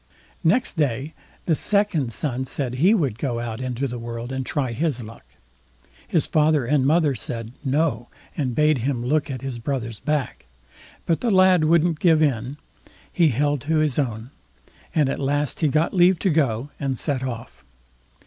Next day the second sons aid he would go out into the world to try his luck. His father and mother said "No", and bade him look at his brother's back; but the lad wouldn't give in; he held to his own, and at last he got leave to go, and set off.